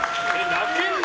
泣けんの？